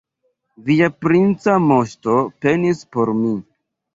Via princa moŝto penis por mi.